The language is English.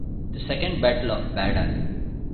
The second battle of Badon.